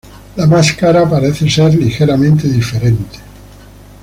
La máscara parece ser ligeramente diferente.